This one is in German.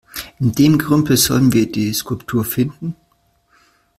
In dem Gerümpel sollen wir die Skulptur finden?